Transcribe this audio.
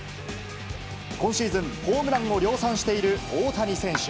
今シーズン、ホームランを量産している大谷選手。